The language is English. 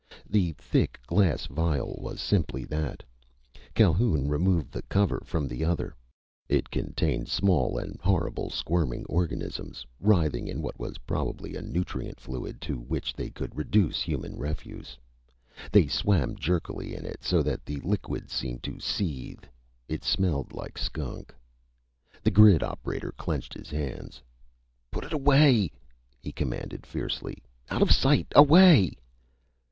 The thick glass phial was simply that. Calhoun removed the cover from the other. It contained small and horrible squirming organisms, writhing in what was probably a nutrient fluid to which they could reduce human refuse. They swarm jerkily in it so that the liquid seemed to seethe. It smelled. Like skunk. The grid operator clenched his hands. "Put it away!" he commanded fiercely. "Out of sight! Away!"